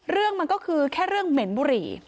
เรื่องมันก็คือแค่เรื่องเหม็นบุหรี่